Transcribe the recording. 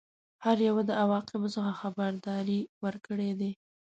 هر یوه د عواقبو څخه خبرداری ورکړی دی.